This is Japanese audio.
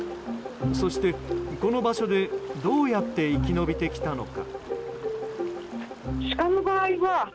そして、この場所でどうやって生き延びてきたのか。